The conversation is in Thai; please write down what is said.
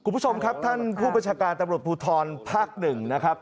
คุณผู้ชมครับท่านผู้ประชาการตำรวจภูทรภาคหนึ่งนะครับ